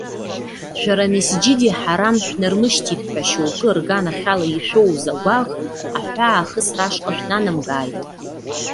Шәара Месџьиди Ҳарам шәнармышьҭит ҳәа шьоукы рганахь ала ишәоуз агәаӷ, аҳәаа ахысра ашҟа шәнанамгааит.